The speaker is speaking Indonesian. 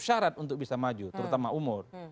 syarat untuk bisa maju terutama umur